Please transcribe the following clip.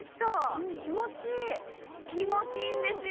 気持ちいいんですよ